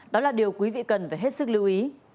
đó là điều quý vị cần phải hết sức lưu ý